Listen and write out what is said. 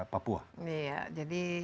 papua iya jadi